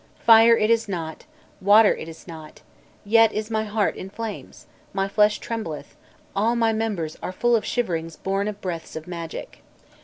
Fire it is not, water it is not, yet is my heart in flames, my flesh trembleth, all my members are full of shiverings born of breaths of magic.